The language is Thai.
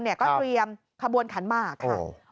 ก็เตรียมขบวนขันหมากค่ะ